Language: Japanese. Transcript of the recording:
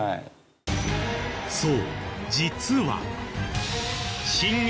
そう。